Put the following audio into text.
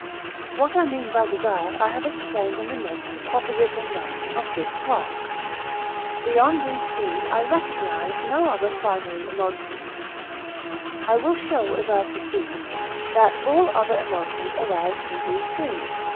What I mean by desire I have explained in the note to Prop. ix. of this part; beyond these three I recognize no other primary emotion; I will show as I proceed, that all other emotions arise from these three.